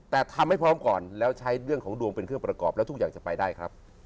แต่ทำให้พร้อมก่อนแล้วใช้เรื่องของดวงเป็นเครื่องประกอบแล้วทุกอย่างจะไปได้ครับ